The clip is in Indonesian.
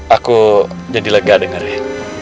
aku jadi lega denger ya